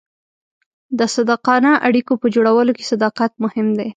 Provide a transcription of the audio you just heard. د صادقانه اړیکو په جوړولو کې صداقت مهم دی.